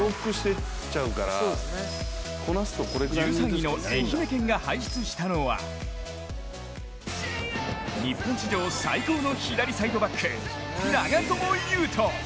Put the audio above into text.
１３位の愛媛県が輩出したのは日本史上最高の左サイドバック長友佑都。